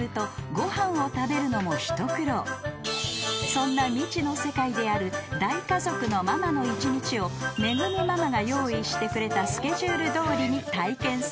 ［そんな未知の世界である大家族のママの一日をめぐみママが用意してくれたスケジュールどおりに体験する］